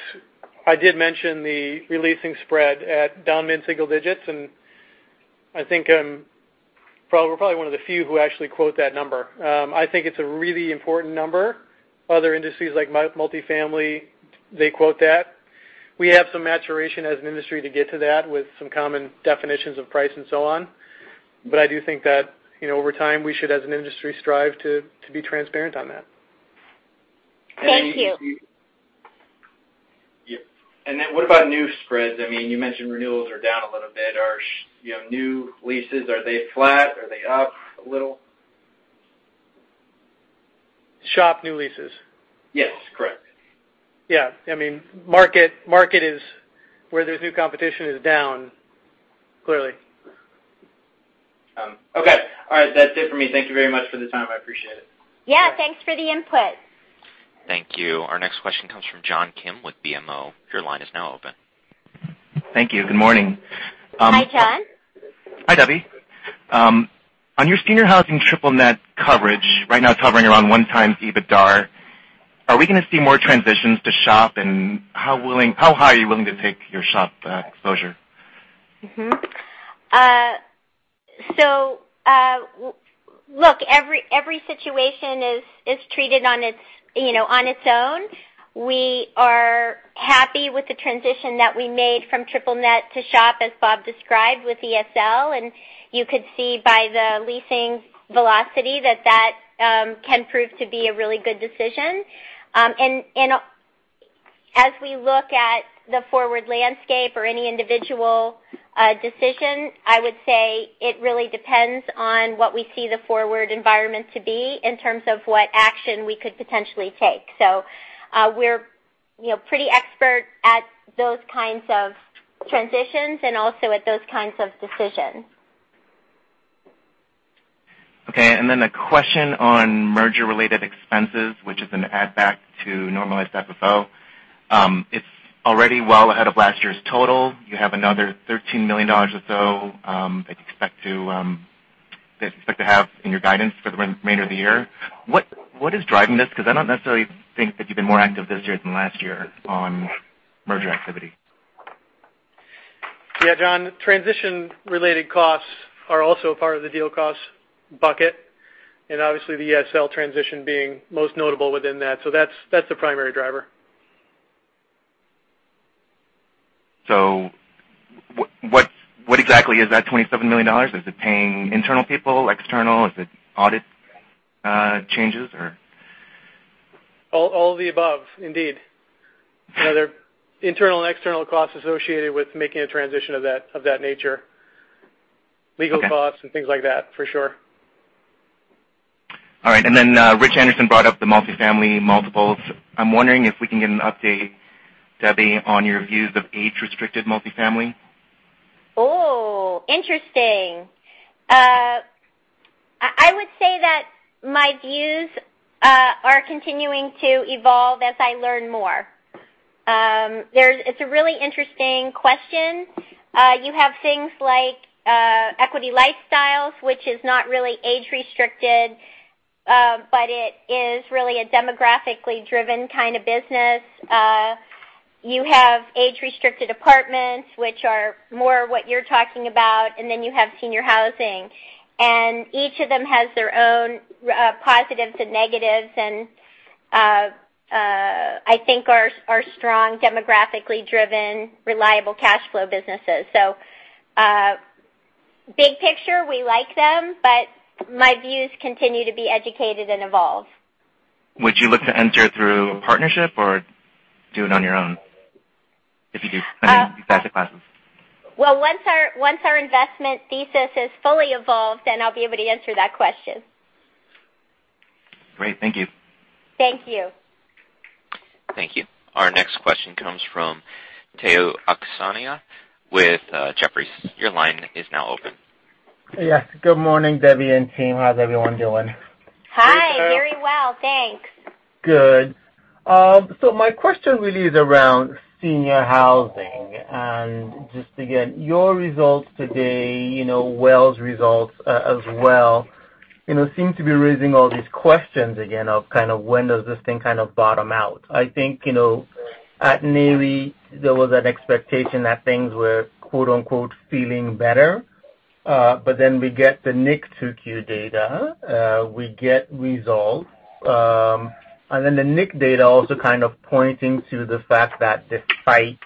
I did mention the re-leasing spread at down mid-single digits, I think we're probably one of the few who actually quote that number. I think it's a really important number. Other industries, like multifamily, they quote that. We have some maturation as an industry to get to that with some common definitions of price and so on. I do think that over time, we should, as an industry, strive to be transparent on that. Thank you. What about new spreads? You mentioned renewals are down a little bit. New leases, are they flat? Are they up a little? SHOP new leases? Yes, correct. Yeah. Market, where there's new competition, is down, clearly. Okay. All right. That's it for me. Thank you very much for the time. I appreciate it. Yeah. Thanks for the input. Thank you. Our next question comes from John Kim with BMO. Your line is now open. Thank you. Good morning. Hi, John. Hi, Debbie. On your senior housing triple-net coverage, right now it's hovering around one times EBITDAR. Are we going to see more transitions to SHOP, and how high are you willing to take your SHOP exposure? Look, every situation is treated on its own. We are happy with the transition that we made from triple-net to SHOP, as Bob described, with ESL, you could see by the leasing velocity that that can prove to be a really good decision. As we look at the forward landscape or any individual decision, I would say it really depends on what we see the forward environment to be in terms of what action we could potentially take. We're pretty expert at those kinds of transitions and also at those kinds of decisions. Okay. A question on merger-related expenses, which is an add-back to normalized FFO. It's already well ahead of last year's total. You have another $13 million or so that you expect to have in your guidance for the remainder of the year. What is driving this? I don't necessarily think that you've been more active this year than last year on merger activity. Yeah, John. Transition-related costs are also part of the deal costs bucket, and obviously the ESL transition being most notable within that. That's the primary driver. What exactly is that $27 million? Is it paying internal people, external? Is it audit changes, or? All of the above, indeed. There are internal and external costs associated with making a transition of that nature. Okay. Legal costs and things like that, for sure. All right. Rich Anderson brought up the multifamily multiples. I'm wondering if we can get an update, Debbie, on your views of age-restricted multifamily. Oh, interesting. I would say that my views are continuing to evolve as I learn more. It's a really interesting question. You have things like Equity LifeStyle, which is not really age-restricted, but it is really a demographically driven kind of business. You have age-restricted apartments, which are more what you're talking about, and then you have senior housing. Each of them has their own positives and negatives, and I think are strong demographically driven, reliable cash flow businesses. Big picture, we like them, but my views continue to be educated and evolve. Would you look to enter through partnership or do it on your own, if you do, depending on the asset classes? Once our investment thesis is fully evolved, then I'll be able to answer that question. Great. Thank you. Thank you. Thank you. Our next question comes from Tayo Okusanya with Jefferies. Your line is now open. Yes. Good morning, Debbie and team. How's everyone doing? Hi. Hey, Tayo. Very well, thanks. Good. My question really is around senior housing. Just again, your results today, Wells results as well, seem to be raising all these questions again of kind of when does this thing kind of bottom out? I think, at NAREIT there was an expectation that things were "feeling better." We get the NIC 2Q data, we get results. The NIC data also kind of pointing to the fact that despite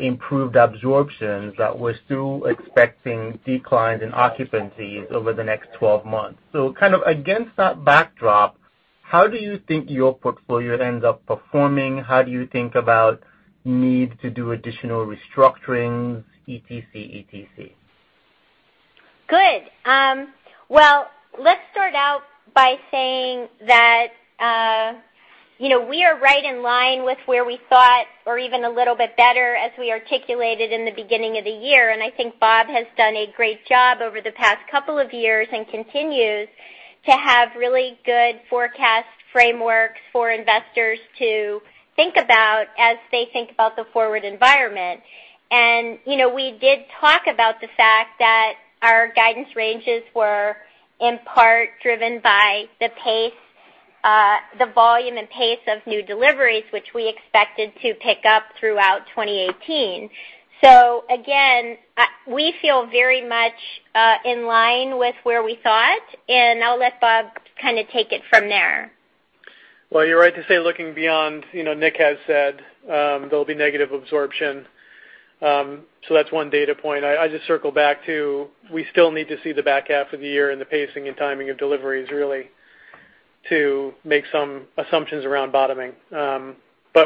improved absorptions, that we're still expecting declines in occupancies over the next 12 months. Kind of against that backdrop, how do you think your portfolio ends up performing? How do you think about need to do additional restructurings, etc.? Good. Well, let's start out by saying that we are right in line with where we thought or even a little bit better as we articulated in the beginning of the year. I think Bob has done a great job over the past couple of years and continues to have really good forecast frameworks for investors to think about as they think about the forward environment. We did talk about the fact that our guidance ranges were in part driven by the volume and pace of new deliveries, which we expected to pick up throughout 2018. Again, we feel very much in line with where we thought, and I'll let Bob kind of take it from there. Well, you're right to say looking beyond, NIC has said, there'll be negative absorption. That's one data point. I just circle back to, we still need to see the back half of the year and the pacing and timing of deliveries really to make some assumptions around bottoming.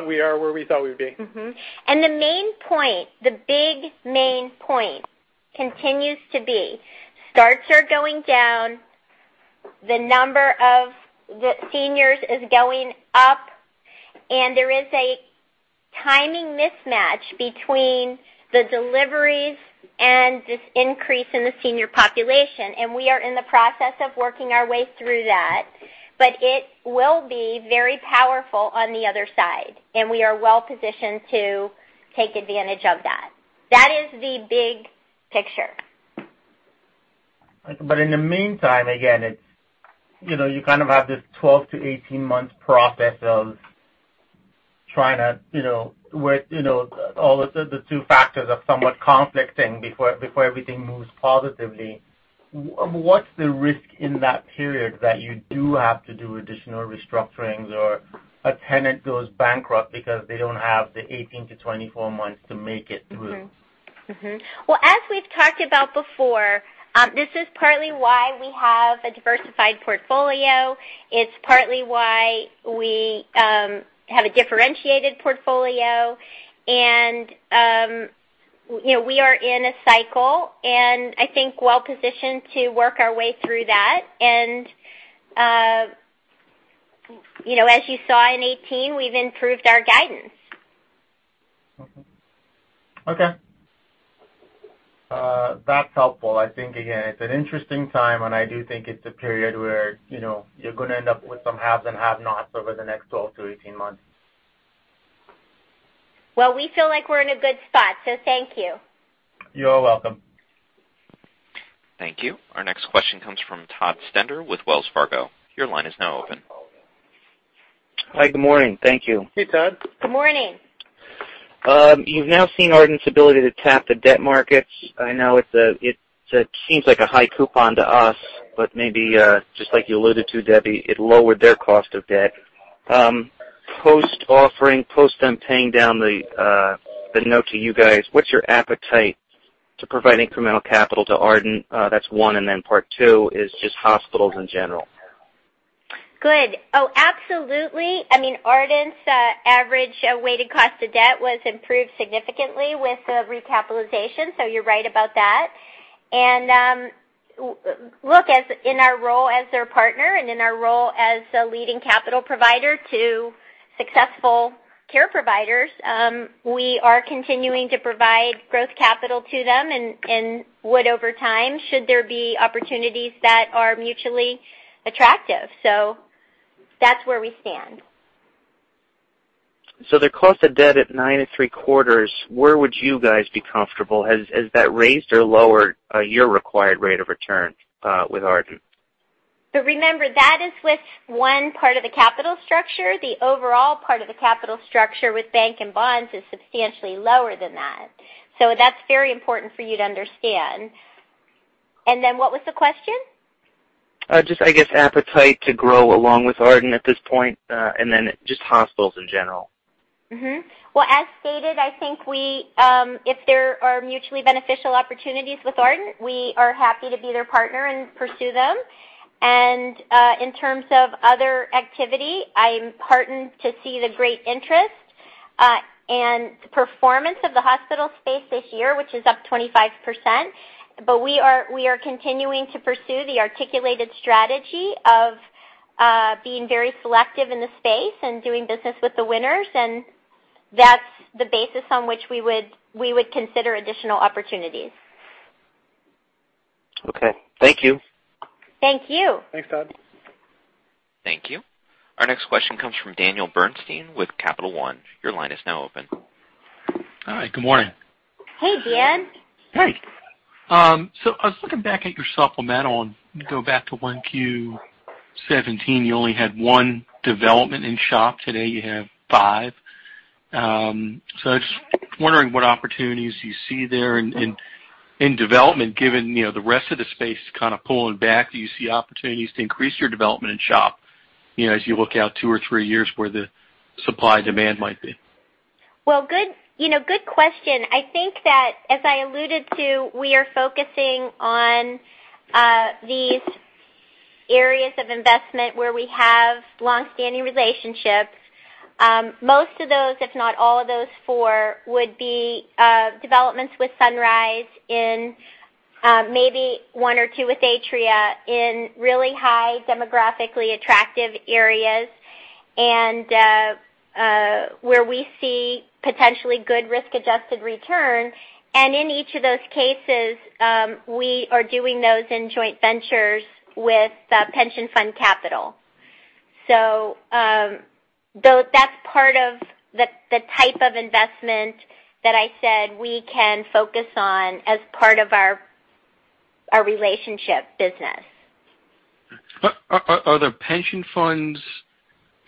We are where we thought we'd be. Mm-hmm. The main point, the big main point continues to be. Starts are going down, the number of the seniors is going up, and there is a timing mismatch between the deliveries and this increase in the senior population, and we are in the process of working our way through that, but it will be very powerful on the other side, and we are well-positioned to take advantage of that. That is the big picture. In the meantime, again, you kind of have this 12-18 months process. All the two factors are somewhat conflicting before everything moves positively. What's the risk in that period that you do have to do additional restructurings or a tenant goes bankrupt because they don't have the 18-24 months to make it through? Mm-hmm. Well, as we've talked about before, this is partly why we have a diversified portfolio. It's partly why we have a differentiated portfolio. We are in a cycle, and I think well-positioned to work our way through that. As you saw in 2018, we've improved our guidance. Okay. That's helpful. I think, again, it's an interesting time, and I do think it's a period where you're going to end up with some haves and have-nots over the next 12-18 months. Well, we feel like we're in a good spot, thank you. You're welcome. Thank you. Our next question comes from Todd Stender with Wells Fargo. Your line is now open. Hi. Good morning. Thank you. Hey, Todd. Good morning. You've now seen Ardent's ability to tap the debt markets. I know it seems like a high coupon to us, but maybe, just like you alluded to, Debbie, it lowered their cost of debt. Post-offering, post them paying down the note to you guys, what's your appetite to provide incremental capital to Ardent? That's one. Part two is just hospitals in general. Good. Oh, absolutely. Ardent's average weighted cost of debt was improved significantly with the recapitalization. You're right about that. Look, in our role as their partner and in our role as a leading capital provider to successful care providers, we are continuing to provide growth capital to them and would over time, should there be opportunities that are mutually attractive. That's where we stand. Their cost of debt at 9.75%, where would you guys be comfortable? Has that raised or lowered your required rate of return with Ardent? Remember, that is with one part of the capital structure. The overall part of the capital structure with bank and bonds is substantially lower than that. That's very important for you to understand. What was the question? Just, I guess, appetite to grow along with Ardent at this point, hospitals in general. Well, as stated, I think if there are mutually beneficial opportunities with Ardent, we are happy to be their partner and pursue them. In terms of other activity, I'm heartened to see the great interest and performance of the hospital space this year, which is up 25%. We are continuing to pursue the articulated strategy of being very selective in the space and doing business with the winners, and that's the basis on which we would consider additional opportunities. Okay. Thank you. Thank you. Thanks, Todd. Thank you. Our next question comes from Daniel Bernstein with Capital One. Your line is now open. Hi, good morning. Hey, Dan. Hey. I was looking back at your supplemental, go back to 1Q 2017, you only had one development in SHOP. Today, you have five. I was just wondering what opportunities you see there in development, given the rest of the space is kind of pulling back. Do you see opportunities to increase your development in SHOP, as you look out two or three years where the supply-demand might be? Well, good question. I think that, as I alluded to, we are focusing on these areas of investment where we have longstanding relationships. Most of those, if not all of those four, would be developments with Sunrise and maybe one or two with Atria in really high demographically attractive areas, and where we see potentially good risk-adjusted return. In each of those cases, we are doing those in joint ventures with pension fund capital. That's part of the type of investment that I said we can focus on as part of our relationship business. Are the pension funds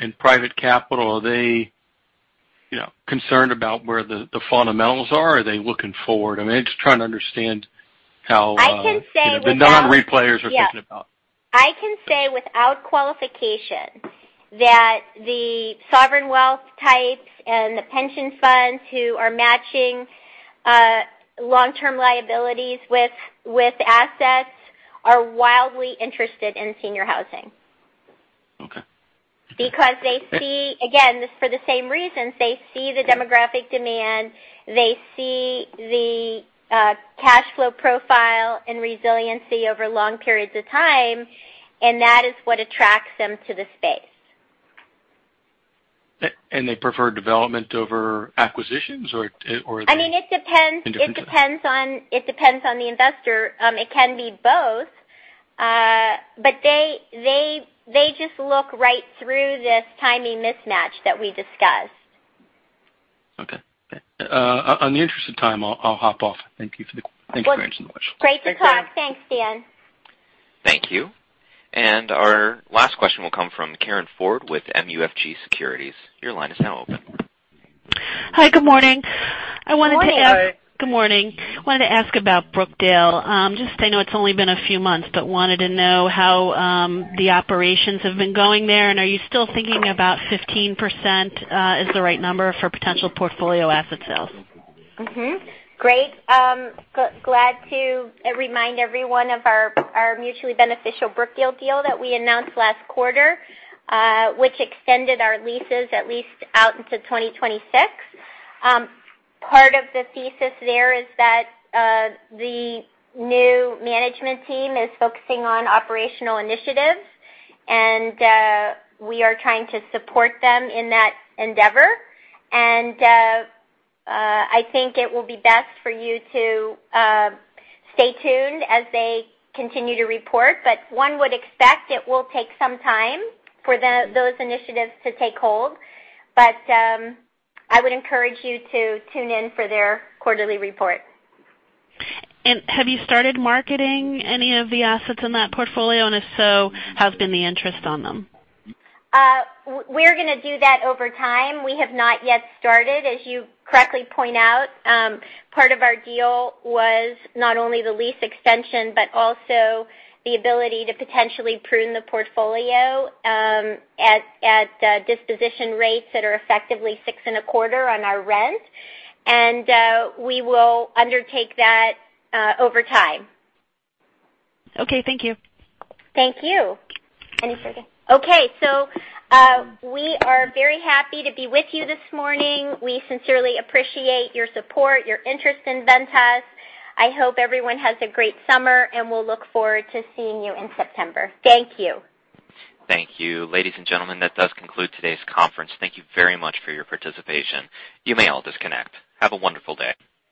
and private capital, are they concerned about where the fundamentals are? Are they looking forward? I'm just trying to understand how- I can say without- The non-REIT players are thinking about. I can say without qualification that the sovereign wealth types and the pension funds who are matching long-term liabilities with assets are wildly interested in senior housing. Okay. They see, again, this for the same reasons, they see the demographic demand, they see the cash flow profile and resiliency over long periods of time, that is what attracts them to the space. They prefer development over acquisitions. It depends on the investor. It can be both. They just look right through this timing mismatch that we discussed. Okay. On the interest of time, I'll hop off. Thank you for the answer to the question. Great to talk. Thanks, Dan. Thank you. Our last question will come from Karin Ford with MUFG Securities. Your line is now open. Hi, good morning. Good morning. Good morning. Wanted to ask about Brookdale. Just I know it's only been a few months, but wanted to know how the operations have been going there, are you still thinking about 15% as the right number for potential portfolio asset sales? Great. Glad to remind everyone of our mutually beneficial Brookdale deal that we announced last quarter, which extended our leases at least out into 2026. Part of the thesis there is that the new management team is focusing on operational initiatives, we are trying to support them in that endeavor. I think it will be best for you to stay tuned as they continue to report, one would expect it will take some time for those initiatives to take hold. I would encourage you to tune in for their quarterly report. Have you started marketing any of the assets in that portfolio? If so, how has been the interest on them? We're going to do that over time. We have not yet started, as you correctly point out. Part of our deal was not only the lease extension, but also the ability to potentially prune the portfolio at disposition rates that are effectively six and a quarter on our rent. We will undertake that over time. Okay. Thank you. Thank you. Okay, we are very happy to be with you this morning. We sincerely appreciate your support, your interest in Ventas. I hope everyone has a great summer, and we'll look forward to seeing you in September. Thank you. Thank you. Ladies and gentlemen, that does conclude today's conference. Thank you very much for your participation. You may all disconnect. Have a wonderful day.